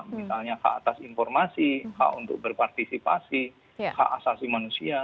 misalnya hak atas informasi hak untuk berpartisipasi hak asasi manusia